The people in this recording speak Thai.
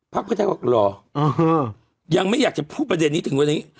เพื่อไทยบอกรอยังไม่อยากจะพูดประเด็นนี้ถึงวันนี้